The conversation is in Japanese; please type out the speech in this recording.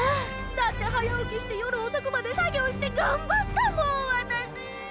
だって早起きして夜遅くまで作業してがんばったもーん私ー！！